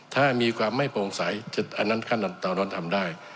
ถ้ามีความไม่โปร่งใสอันนั้นขั้นตอนนั้นทำได้